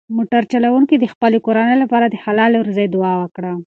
موټر چلونکي د خپلې کورنۍ لپاره د حلالې روزۍ دعا وکړه.